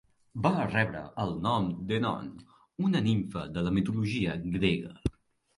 Va rebre el nom d'Enone, una nimfa de la mitologia grega.